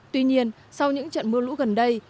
tuy nhiên sau những trận mưa lũ gần đây